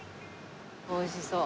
おいしそう。